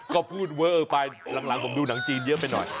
ก็พูดเวอร์ไปหลังผมดูหนังจีนเยอะไปหน่อย